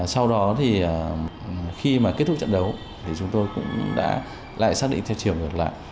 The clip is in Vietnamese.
sau đó thì khi mà kết thúc trận đấu thì chúng tôi cũng đã lại xác định theo chiều ngược lại